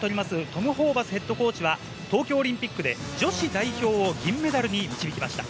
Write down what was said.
トム・ホーバスＨＣは東京オリンピックで女子代表を銀メダルに導きました。